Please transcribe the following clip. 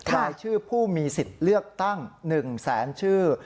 รายชื่อผู้มีสิทธิ์เลือกตั้ง๑แสนชื่อ